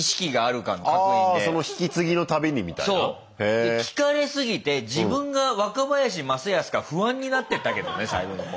で聞かれすぎて自分が若林正恭か不安になってったけどね最後のほう。